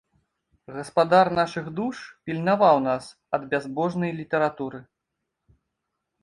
Гаспадар нашых душ пільнаваў нас ад бязбожнай літаратуры.